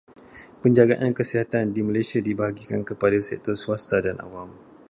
Penjagaan kesihatan di Malaysia dibahagikan kepada sektor swasta dan awam.